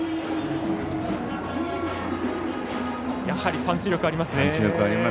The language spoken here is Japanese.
やはりパンチ力がありますね。